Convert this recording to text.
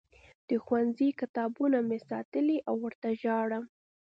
د ښوونځي کتابونه مې ساتلي او ورته ژاړم